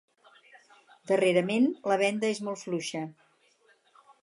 Darrerament la venda és molt fluixa.